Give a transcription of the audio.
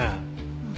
うん。